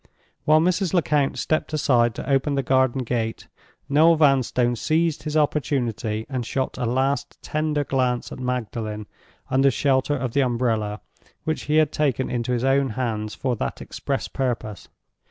While Mrs. Lecount stepped aside to open the garden gate, Noel Vanstone seized his opportunity and shot a last tender glance at Magdalen, under shelter of the umbrella, which he had taken into his own hands for that express purpose.